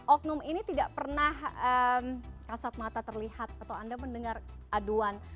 oknum ini tidak pernah kasat mata terlihat atau anda mendengar aduan